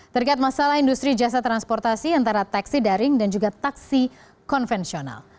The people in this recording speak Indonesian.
terkait masalah industri jasa transportasi antara taksi daring dan juga taksi konvensional